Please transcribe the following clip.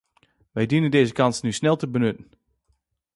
Wij dienen deze kans nu snel te benutten!